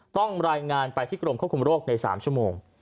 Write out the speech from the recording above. ต้องรายงานไปที่กรมควบคุมโรคใน๓ชั่วโมง